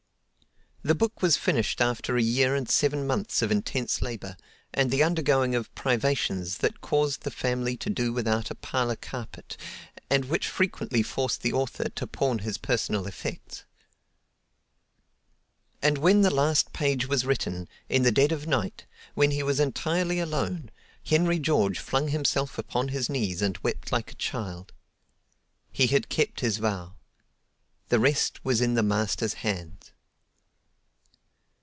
The book was finished after a year and seven months of intense labor, and the undergoing of privations that caused the family to do without a parlor carpet, and which frequently forced the author to pawn his personal effects. And when the last page was written, in the dead of night, when he was entirely alone, Henry George flung himself upon his knees and wept like a child. He had kept his vow. The rest was in the Master's hands.